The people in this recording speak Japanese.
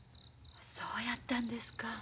そうやったんですか。